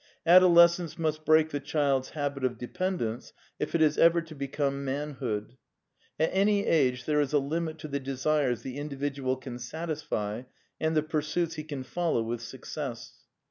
Adolescence must break the child's habit of dependence if it is ever to become man hood. At any age there is a limit to the desires the indi vidual can satisfy and the pursuits he can follow with success.